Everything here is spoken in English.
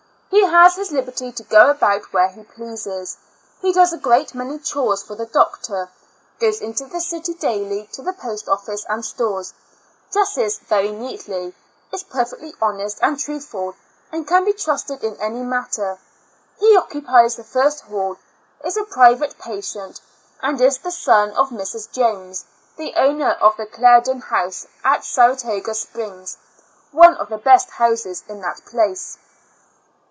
He has Ms liberty to go about where he pleases; he does a great many chores for the doctor; goes into the city daily, to the post office and stores; dresses very neatly, is perfect ly honest and truthful, and can be trusted in any matter. He occupies the first hall; is a private patient, and is the son of Mrs. Jones, the owner of the Clarendon House at Saratoga Springs — one of the best houses in that place.